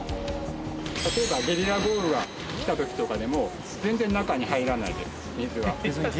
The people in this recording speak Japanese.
例えばゲリラ豪雨がきた時とかでも全然中に入らないです水は。